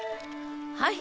はい。